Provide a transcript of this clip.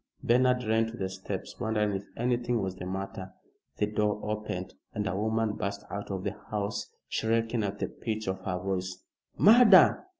Bernard ran to the steps, wondering if anything was the matter. The door opened, and a woman burst out of the house shrieking at the pitch of her voice "Murder!